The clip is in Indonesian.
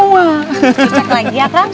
wah cek lagi ya kang